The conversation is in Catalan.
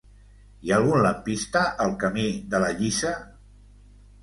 Hi ha algun lampista al camí de la Lliça?